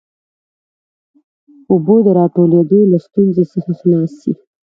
اوبو د راټولېدو له ستونزې څخه خلاص سي.